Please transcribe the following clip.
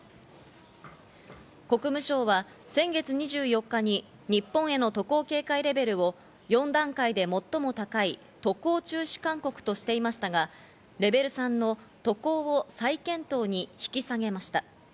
国務省は先月２４日に日本の渡航警戒レベルを４段階で最も高い渡航中止勧告としていましたが、レベル３の、渡航を再検討に引き下げました。